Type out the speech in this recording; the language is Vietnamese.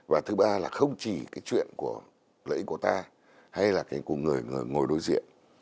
và thứ ba là không chỉ cái chuyện của lợi ích của ta hay là cái của người ngồi đối diện